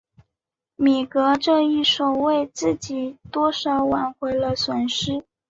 米格这一手为自己多少挽回了损失。